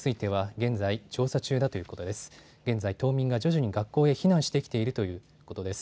現在、島民が徐々に学校に避難してきているということです。